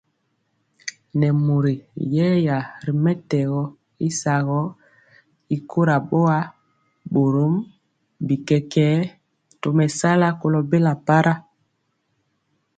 Nɛ mori yɛya ri mɛtɛgɔ y sagɔ y kora boa, borom bi kɛkɛɛ tomesala kolo bela para.